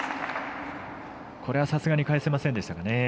これはさすがに返せませんでしたかね。